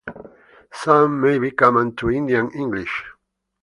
Some may be common to Indian English.